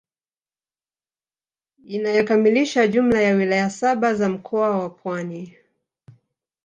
Inayokamilisha jumla ya wilaya saba za mkoa wa Pwani